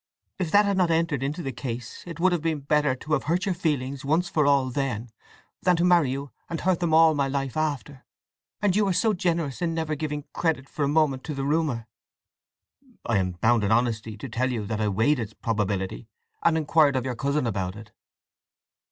If that had not entered into the case it would have been better to have hurt your feelings once for all then, than to marry you and hurt them all my life after… And you were so generous in never giving credit for a moment to the rumour." "I am bound in honesty to tell you that I weighed its probability and inquired of your cousin about it."